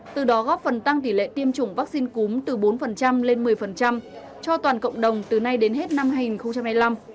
từ đó góp phần tăng tỷ lệ tiêm chủng vaccine cúm từ bốn lên một mươi cho toàn cộng đồng từ nay đến hết năm hai nghìn hai mươi năm